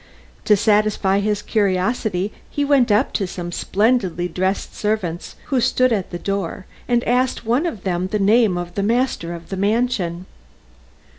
To satisfy his curiosity he went up to some splendidly dressed servants who stood at the door, and asked one of them the name of the master of the mansion.